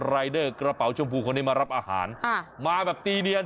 รายเดอร์กระเป๋าชมพูคนนี้มารับอาหารมาแบบตีเนียน